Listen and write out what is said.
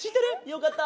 よかった。